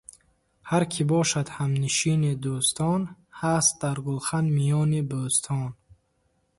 Ҳар ки бошад ҳамнишини дӯстон, Ҳаст дар гулхан миёни бӯстон.